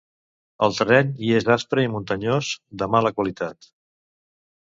El terreny hi és aspre i muntanyós, de mala qualitat.